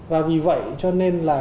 và vì vậy cho nên là